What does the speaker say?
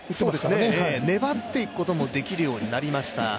粘っていくこともできるようになりました。